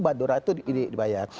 badora itu dibayar